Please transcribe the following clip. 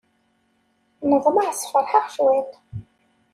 Neḍmeɛ sferḥ-aɣ ciṭuḥ.